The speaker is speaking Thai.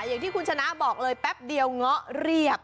อย่างที่คุณชนะบอกเลยแป๊บเดียวเงาะเรียบ